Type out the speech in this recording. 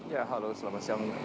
ya halo selamat siang